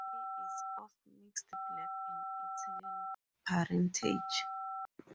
He is of mixed Black, and Italian parentage.